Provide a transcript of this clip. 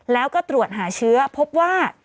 แล้วก็ตรวจหาเชื้อพบว่า